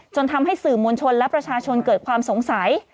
ทำให้สื่อมวลชนและประชาชนเกิดความสงสัย